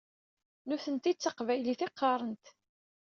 Nutenti d taqbaylit i qqaṛent.